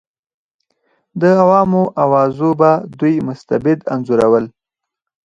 د عوامو اوازو به دوی مستبد انځورول.